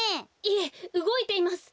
いえうごいています。